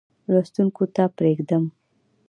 لوستونکو ته پرېږدم.